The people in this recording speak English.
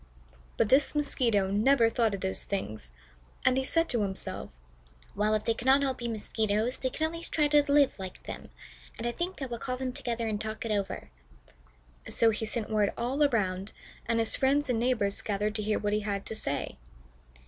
But this Mosquito never thought of those things, and he said to himself: "Well, if they cannot all be Mosquitoes, they can at least try to live like them, and I think I will call them together and talk it over." So he sent word all around, and his friends and neighbors gathered to hear what he had to say.